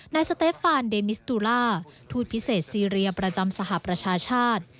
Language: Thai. สเตฟฟานเดมิสตูล่าทูตพิเศษซีเรียประจำสหประชาชาติ